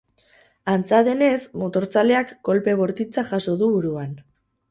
Antza denez, motorzaleak kolpe bortitza jaso du buruan.